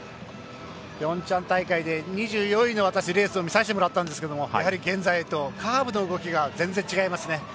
ピョンチャン大会で２４位のレースを見させてもらったんですがやはり現在とカーブの動きが全然違いますね。